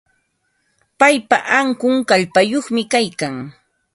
Paypa ankun kallpayuqmi kaykan.